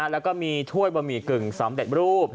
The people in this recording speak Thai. แล้วก็มีถ้วยบะหมี่กึ่งสำเร็จรูป